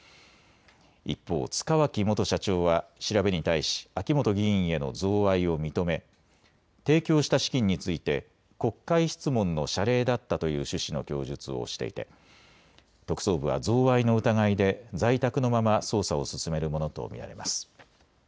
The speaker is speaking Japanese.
一方、塚脇元社長は調べに対し秋本議員への贈賄を認め提供した資金について国会質問の謝礼だったという趣旨の供述をしていて特捜部は贈賄の疑いで在宅のまま捜査を進めるものと見られます。